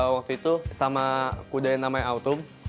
waktu itu sama kuda yang namanya autum